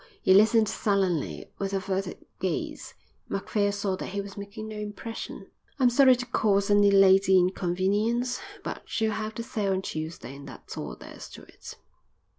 He listened sullenly, with averted gaze. Macphail saw that he was making no impression. "I'm sorry to cause any lady inconvenience, but she'll have to sail on Tuesday and that's all there is to it."